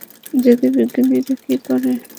জ্যোতির্বিজ্ঞানীরা কী করে?